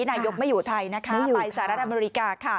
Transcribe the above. นายกไม่อยู่ไทยไปสหรัฐอเมริกา